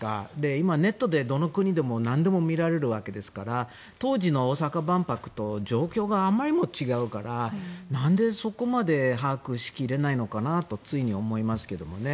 今、ネットでどの国でもなんでも見られるわけですから当時の大阪万博と状況があまりにも違うからなんで、そこまで把握しきれないのかなとつい思いますけどね。